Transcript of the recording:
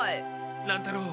乱太郎